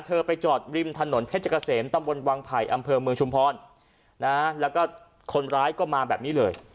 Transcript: ไปจอดริมถนนเพชรเกษมตำบลวังไผ่อำเภอเมืองชุมพรนะแล้วก็คนร้ายก็มาแบบนี้เลย